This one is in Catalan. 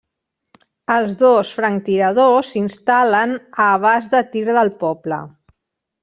Els dos franctiradors s'instal·len a abast de tir del poble.